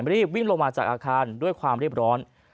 รีบวิ่งลงมาจากอาคารด้วยความรีบร้อน